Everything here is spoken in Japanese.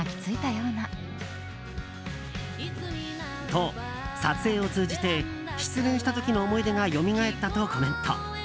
と、撮影を通じて失恋した時の思い出がよみがえったとコメント。